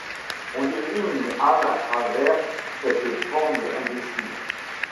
On devine une âme à travers cette forme indécise.